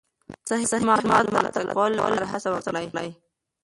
د صحیح معلوماتو ترلاسه کولو لپاره هڅه وکړئ.